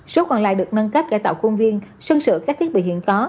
số còn lại được nâng cấp cải tạo khuôn viên sân sửa các thiết bị hiện có